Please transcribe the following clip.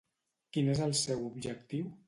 Quin és el seu objectiu?